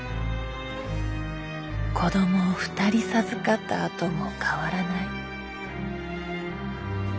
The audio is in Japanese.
子供を２人授かったあとも変わらない。